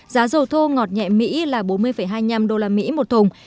giá dầu thô ngọt nhẹ mỹ là bốn mươi hai mươi năm đô la mỹ một thùng